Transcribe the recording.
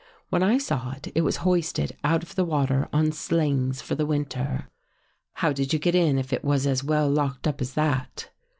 When I saw it, it was hoisted out of the water on slings, for the winter." " How did you get in, if it was as well locked up as that?